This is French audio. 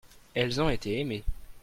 elles ont été aimé.